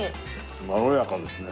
まろやかですね。